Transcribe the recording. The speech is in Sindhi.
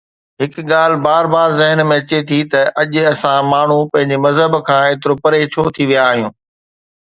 هڪ ڳالهه بار بار ذهن ۾ اچي ٿي ته اڄ اسان ماڻهو پنهنجي مذهب کان ايترو پري ڇو ٿي ويا آهيون؟